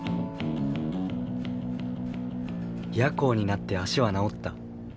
夜行になって足は治った